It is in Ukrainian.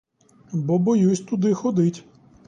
Бо боюсь туди ходить.